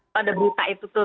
pada buta itu tuh